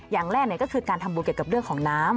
อย่างแรกก็คือการทำบุญเกี่ยวกับเรื่องของน้ำ